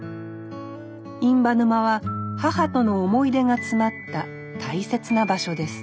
印旛沼は母との思い出が詰まった大切な場所です